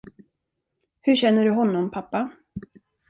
Hur känner du honom, pappa?